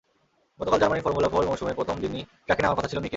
গতকাল জার্মানির formula four মৌসুমের প্রথম দিনই ট্র্যাকে নামার কথা ছিল মিকের।